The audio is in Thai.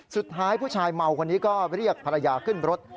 สุดท้ายผู้ชายเมาคนนี้ก็เรียกภรรยาขึ้นรถ